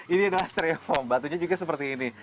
ini adalah stereofoam batunya juga seperti ini